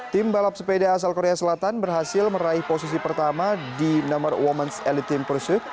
tim balap sepeda asal korea selatan berhasil meraih posisi pertama di nomor women's elite team pursuit